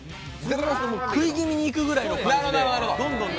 食い気味にいくぐらいの感じで。